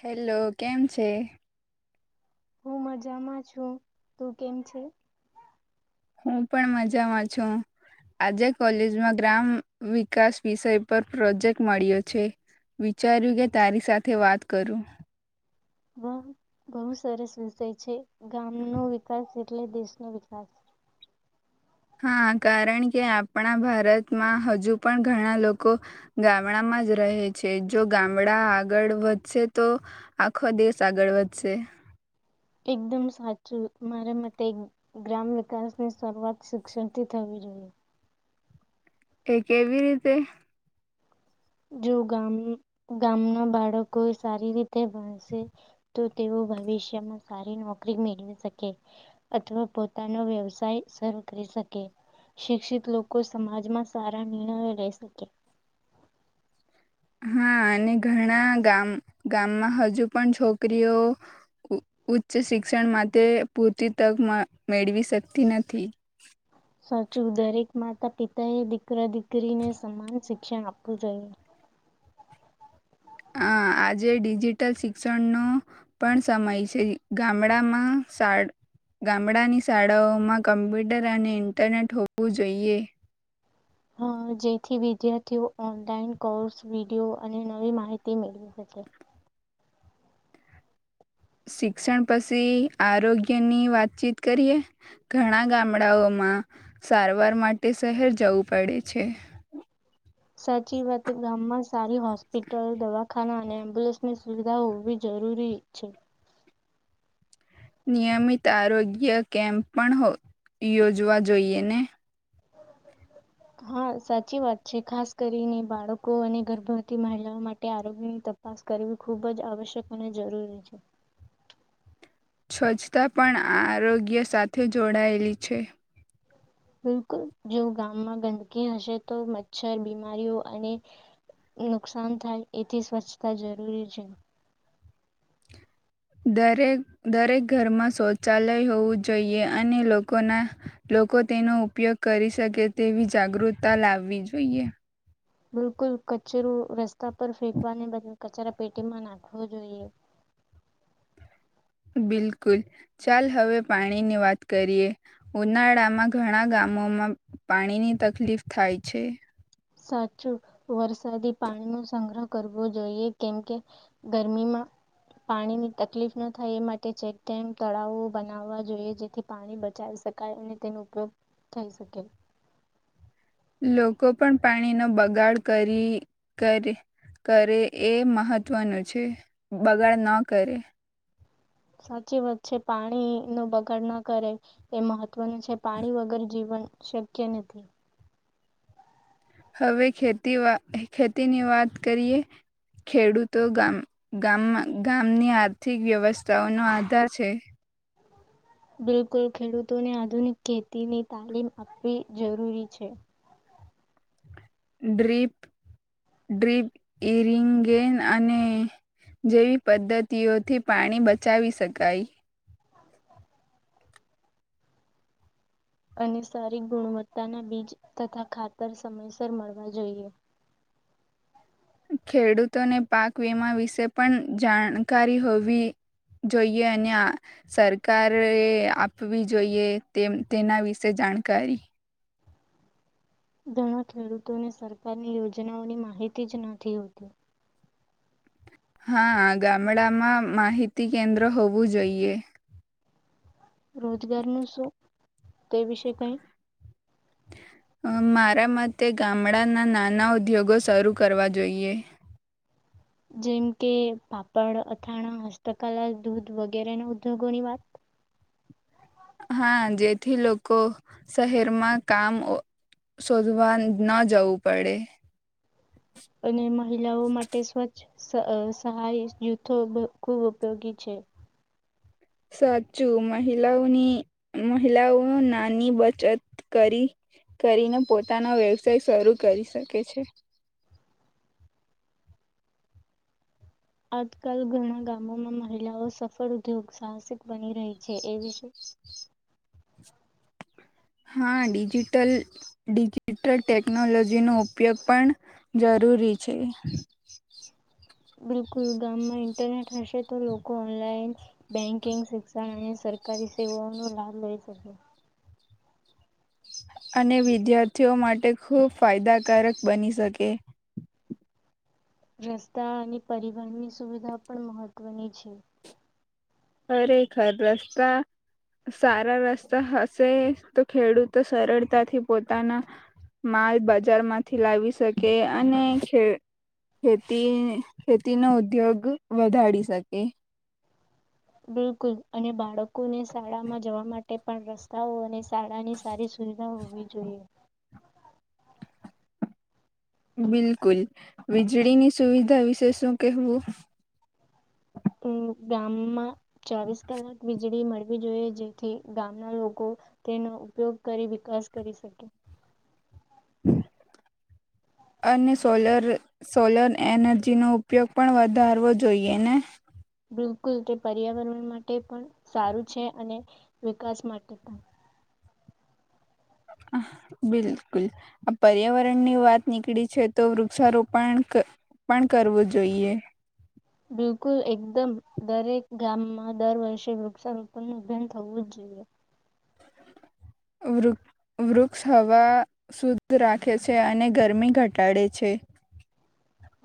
hello કેમ છે હું મજામાં છું તું કેમ છે હું પણ મજામાં છું આજે કોલેજમાં ગ્રામ વિકાસ વિષય પર પ્રોજેક્ટ મળ્યો છે વિચાર્યું કે તારી સાથે વાત કરું બણુ સરસ વિષય છે ગામનો વિકાસ એટલે દેશનો વિકાસ હા કારણ કે આપણા ભારતમાં હજુ પણ ઘણા લોકો ગામડામાં જ રહે છે જો ગામડા આગળ વધશે તો આખો દેશ આગળ વધશે એકદમ સાચું મારા મતે ગ્રામ વિકાસની શરૂઆત શિક્ષણથી થવી જોઈએ એ કેવી રીતે જો ગામના બાળકો સારી રીતે ભણશે તો તેઓ ભવિષ્યમાં સારી નોકરી મેળવી શકે અથવા પોતાનો વ્યવસાય શરૂ કરી શકે શિક્ષિત લોકો સમાજમાં સારા નિર્ણયો લઈ શકે હા અને ઘણા ગામ ગામમાં હજુ પણ છોકરીઓ ઉચ્ચ શિક્ષણ માટે પૂરતી તક મેળવી શકતી નથી સાચું દરેક માતા પિતા એ દીકરા દીકરીને સમાન શિક્ષણ આપવું જોઈએ આ આજે ડિજિટલ શિક્ષણનો પણ સમય છે ગામમાં ગામડાની શાળાઓમાં કમ્પ્યુટર અને ઇન્ટરનેટ હોવું જોઈએ હ જેથી વિદ્યાર્થીઓ ઓનલાઈન કોર્સ વિડીયો અને નવી માહિતી મેળવી શકે શિક્ષણ પછી આરોગ્યની વાતચીત કરીએ ઘણા ગામડાઓમાં સારવાર માટે શહેર જવું પડે છે સાચી વાત ગામમાં સારી હોસ્પિટલો દવાખાના અને એમ્બ્યુલન્સની સુવિધા હોવી જરૂરી છે નિયમિત આરોગ્ય કેમ્પ પણ યોજવા જોઈએ ને હા સાચી વાત છે ખાસ કરીને બાળકો અને ગર્ભવતી મહિલાઓ માટે આરોગ્યની તપાસ કરવી ખૂબ જ આવશ્યક અને જરૂરી છે સ્વચ્છતા પણ આ આરોગ્ય સાથે જોડાયેલી છે બિલકુલ જો ગામમાં ગંદકી હશે તો મચ્છર બીમારીઓ અને નુકસાન થાય એથી સ્વચ્છતા જરૂરી છે દરેક ઘરમાં શૌચાલય હોવું જોઈએ અને લોકો તેનો ઉપયોગ કરી શકે તેવી જાગૃતતા લાવવી જોઈએ બિલકુલ કચરો રસ્તા પર ફેંકવાને બદલે કચરા પેટીમાં નાખવો જોઈએ બિલકુલ ચાલ હવે પાણીની વાત કરીએ ઉનાળામાં ઘણા ગામોમાં પાણીની તકલીફ થાય છે સાચું વરસાદી પાણીનો સંગ્રહ કરવો જોઈએ કેમકે ગરમીમાં પાણીની તકલીફ ન થાય એ માટે ચેકડેમ તળાવો બનાવવા જોઈએ જેથી પાણી બચાવી શકાય અને તેનો ઉપયોગ થઈ શકે લોકો પણ પાણીનો બગાડ કરીે કરે એ મહત્વનું છે બગાડ ન કરે સાચી વાત છે પાણી ન બગાડ ના કરે એ મહત્વનું છે પાણી વગર જીવન શક્ય નથી હવે ખેતીની વાત કરીએ ખેડૂતો ગામની આર્થિક વ્યવસ્થાઓનો આધાર છે બિલકુલ ખેડૂતોને આધુનિક ખેતીની તાલીમ આપવી જરૂરી છે ડ્રીપ ઇરિંગેન અને જેવી પદ્ધતિઓથી પાણી બચાવી શકાય અને સારી ગુણવત્તાના બીજ તથા ખાતર સમયસર મળવા જોઈએ ખેડૂતોને પાક વીમા વિશે પણ જાણકારી હોવી જોઈએ અને સરકએ આપવી જોઈએ તેના વિશે જાણકારી ઘણા ખેડૂતોને સરકારની યોજનાઓની માહિતી જ નથી હોતી હા ગામડામાં માહિતી કેન્દ્ર હોવું જોઈએ રોજગારનું શું તે વિશે કઈ મારા મતે ગામડાના નાના ઉદ્યોગો શરૂ કરવા જોઈએ જેમ કે પાપડ અથાણા હસ્તકલા દૂધ વગેરે ના ઉદ્યોગોની વાત હા જેથી લોકો શહેરમાં કામ શોધવા ન જવું પડે અને મહિલાઓ માટે સ્વચ્છ સહાય જૂથો ખૂબ ઉપયોગી છે સાચું મહિલાઓની મહિલાઓ નાની બચત કરી કરીને પોતાનો વ્યવસાય શરૂ કરી શકે છે આજકાલ ઘણા ગામોમાં મહિલાઓ સફળ ઉદ્યોગ સાહસિક બની રહી છે એ વિશે હા ડિજિટલ ડિજિટલ ટેકનોલોજીનો ઉપયોગ પણ જરૂરી છે બિલકુલ ગામમાં ઇન્ટરનેટ હશે તો લોકો ઓનલાઈન બેંકિંગ શિક્ષણ અને સરકારી સેવાઓનો લાભ લઈ શકે અને વિદ્યાર્થીઓ માટે ખૂબ ફાયદાકારક બની શકે રસ્તા અને પરિવહનની સુવિધા પણ મહત્વની છે ખરેખર રસ્તા સારા રસ્તા હશે તો ખેડૂતો સરળતાથી પોતાના માલ બજારમાંથી લાવી શકે અને ખ ખેતી ખેતીનો ઉદ્યોગ વધારી શકે બિલકુલ અને બાળકોને શાળામાં જવા માટે પણ રસ્તાઓ અને શાળાની સારી સુવિધા હોવી જોઈએ બિલકુલ વીજળીની સુવિધા વિશે શું કહેવું હ બ અમ ચોવીસ કલાક વીજળી મળી જોઈએ જેથી ગામના લોકો તેનો ઉપયોગ કરી વિકાસ કરી શકે અને સોલ સોલર એનર્જીનોો ઉપયોગ પણ વધારવો જોઈએ ને બિલકુલ તે પર્યાવરણ માટે પણ સારું છે અને વિકાસ માટે પણ બિલકુલ આ પર્યાવરણ ની વાત નીકળી છે તો વૃક્ષારોપણ પણ કરવું જોઈએ બિલકુલ એકદમ દરેક ગામમાં દર વર્ષે વૃક્ષારોપણનુંભેન થવું જ જોઈએ વૃક્ષ હવા શુદ્ધ રાખે છે અને ગરમી ઘટાડે છે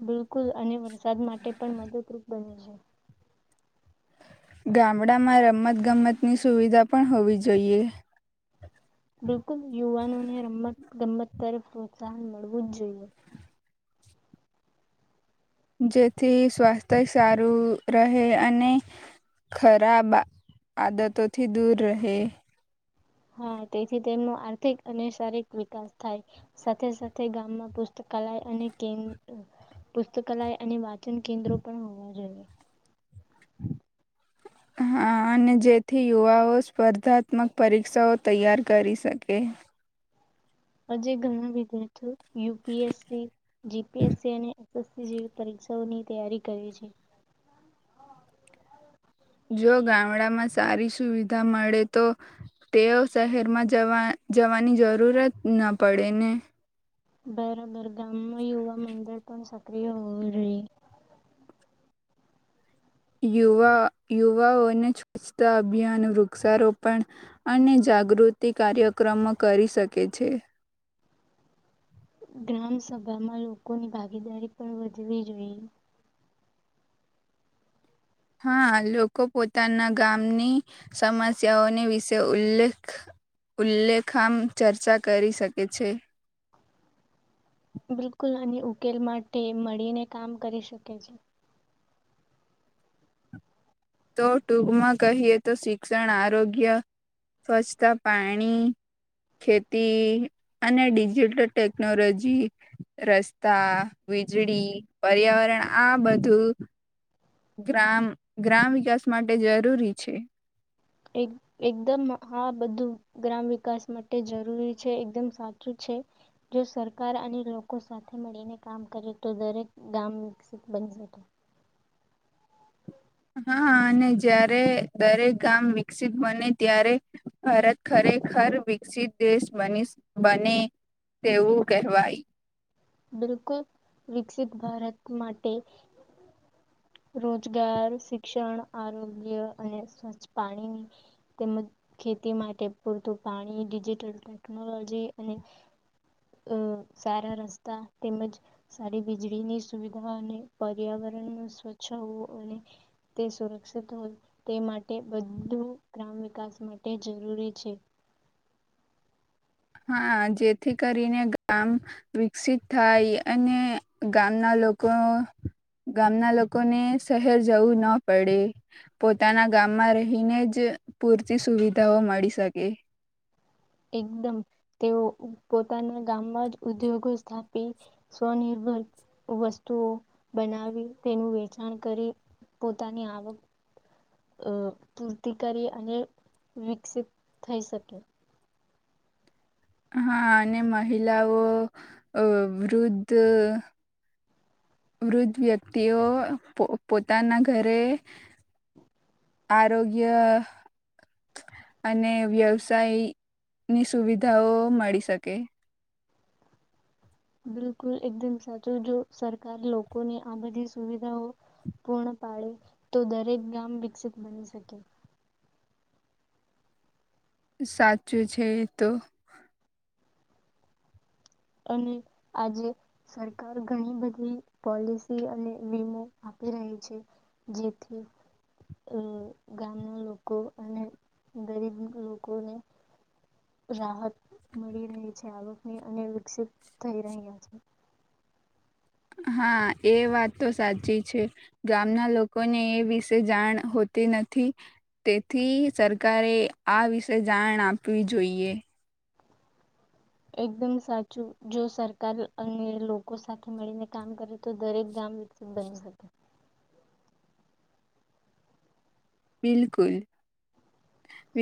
બિલકુલ અને વરસાદ માટે પણ મદદરૂપ બને છે ગામડામાં રમતગમતની સુવિધા પણ હોવી જોઈએ બિલકુલ યુવાનોને રમત ગમત તરફ પ્રોત્સાહન મળવું જ જોઈએ જેથી સ્વાસ્થ્ય સારું રહે અને ખરાબ આદતોથી દૂર રહે હા તેથી તેમનો આર્થિક અને શારીરિક વિકાસ થાય સાથે સાથે ગામમાં પુસ્તકાલય અને કે પુસ્તકાલય અને વાચન કેન્દ્રો પણ હોવા જોઈએ હા અને જેથી યુવાઓ સ્પર્ધાત્મક પરીક્ષાઓ તૈયાર કરી શકે આજે ઘણા વિદ્યાર્થીઓ યુપીએસસી જીપીએસસી અને એસએસસી જેવી પરીક્ષાઓની તૈયારી કરે છે જો ગામડામાં સારી સુવિધા મળે તો તેઓ શહેરમાં જવા જવાની જરૂરત ન પડે ને બેરામર્ગા અમ યવા મંદળટો સ અ હો યુવાઓને સ્વચ્છતા અભિયાન વૃક્ષારોપણ અને જાગૃતિ કાર્યક્રમો કરી શકે છે ગ્રામ સભામાં લોકોની ભાગીદારી પણ વધવી જોઈએ હા લોકો પોતાના ગામની સમસ્યાઓની વિશે ઉલ્લેખામ ચર્ચા કરી શકે છે બિલકુલ આની ઉકેલ માટે મળીને કામ કરી શકે છે તો ટૂકમાં કહીએ તો શિક્ષણ આરોગ્ય સ્વચ્છતા પાણી ખેતી અને ડિજિટલ ટેકનોલોજી રસ્તા વીજળી પર્યાવરણ આ બધું ગ્રામ ગ્રામ વિકાસ માટે જરૂરી છે એક એકદમ આ બધું ગ્રામ વિકાસ માટે જરૂરી છે એકદમ સાચું છે જો સરકાર અને લોકો સાથે મળીને કામ કરે તો દરેક ગામ વિકસિત બની શકે હા અને જ્યારે દરેક ગામ વિકસિત બને ત્યારે ભારત ખરેખર વિકસિત દેશ બને તેવું કહેવાય બિલકુલ વિકસિત ભારત માટે રોજગાર શિક્ષણ આરોગ્ય અને સ્વચ્છ પાણી તેમજ ખેતી માટે પૂરતું પાણી ડિજિટલ ટેકનોલોજી અને સારા રસ્તા તેમજ સારી વીજળીની સુવિધા અને પર્યાવરણ ન સ્વચ્છ હોવું અને તે સુરક્ષિત હોય તે માટે બધું ગ્રામ વિકાસ માટે જરૂરી છે હા જેથી કરીને ગામ વિકસિત થાય અને ગામના લોકો ગામના લોકોને શહેર જવું ના પડે પોતાના ગામમાં રહીને જ પૂરતી સુવિધાઓ મળી શકે એકદમ તેઓ પોતાના ગામમાં જ ઉદ્યોગો સ્થાપી સ્વનિર્ભર વસ્તુઓ બનાવી તેનું વેચાણ કરી પોતાની આવક પૂરતી કરી અને વિકસિત થઈ શકે હા અને મહિલાઓ વૃદ્ધ વૃદ્ધ વ્યક્તિઓ પોતાના ઘરે આરોગ્ય અને વ્યવસાયની સુવિધાઓ મળી શકે બિલકુલ એકદમ સાચું જો સરકાર લોકોની આ બધી સુવિધાઓ પૂર્ણ પાડે તો દરેક ગામ વિકસિત બની શકે સાચું છે તો અને આજે સરકાર ઘણી બધી પોલિસી અને વીમો આપી રહી છે જેથી અ ગામના લોકો અને ગરીબ લોકોને રાહત મળી રહી છે આવકની અને વિકસિત થઈ રહ્યા છે હા એ વાત તો સાચી છે ગામના લોકોને એ વિશે જાણ હોતી નથી તેથી સરકારે આ વિશે જાણ આપવી જોઈએ એકદમ સાચું જો સરકાર અને લોકો સાથે મળીને કામ કરે તો દરેક ગામ વિકસિત બની શકે બિલકુલ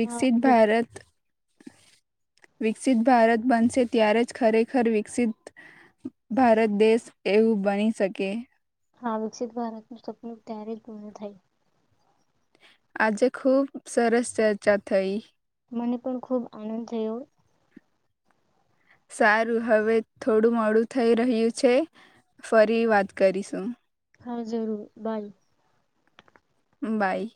હા ભારત વિકસિત ભારત બનશે ત્યારે જ ખરેખર વિકસિત ભારત દેશ એવું બની શકે આ વિકસિત ભારતનું સપનું ત્યારે જ પૂર્ણ થાય આજે ખુબ સરસ ચર્ચા થઈ મને પણ ખુબ આનંદ થયો સારું હવે થોડું મોડું થઈ રહ્યું છે ફરી વાત કરીશું હા જરૂર બાય બાય